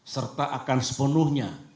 serta akan sepenuhnya